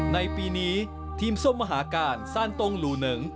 ในปีนี้ทีมส้มมหาการซานตรงหลูเหนิง